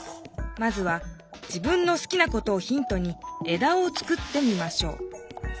まずは自分のすきなことをヒントにえだを作ってみましょう。